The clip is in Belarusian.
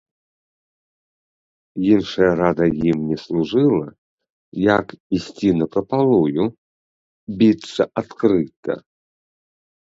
Іншая рада ім не служыла, як ісці напрапалую, біцца адкрыта.